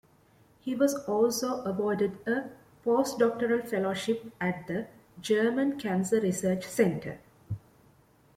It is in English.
He was also awarded a postdoctoral fellowship at the German Cancer Research Center.